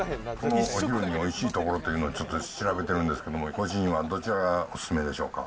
お昼においしい所というのをちょっと調べてるんですけども、ご主人は、どちらがお勧めでしょうか。